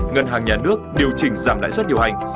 ngân hàng nhà nước điều chỉnh giảm lãi suất điều hành